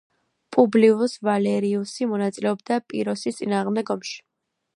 პუბლიუს ვალერიუსი მონაწილეობდა პიროსის წინააღმდეგ ომში.